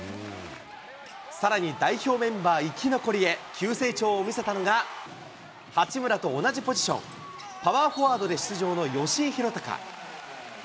さらに代表メンバー生き残りへ、急成長を見せたのが、八村と同じポジション、パワーフォワードで出場の吉井裕鷹。